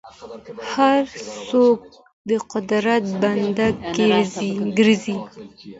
هر څوک د قدرت بنده ګرځي.